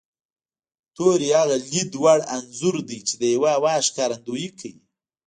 توری هغه لید وړ انځور دی چې د یوه آواز ښکارندويي کوي